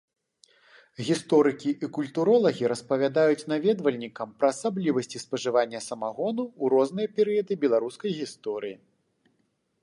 Гісторыкі і культуролагі распавядаюць наведвальнікам пра асаблівасці спажывання самагону ў розныя перыяды беларускай гісторыі.